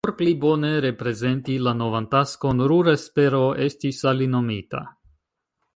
Por pli bone reprezenti la novan taskon, Ruhr-Espero estis alinomita.